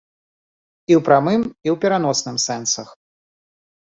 І ў прамым, і ў пераносным сэнсах.